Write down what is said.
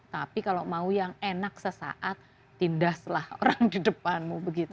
tapi kalau mau yang enak sesaat tindak orang di depanmu begitu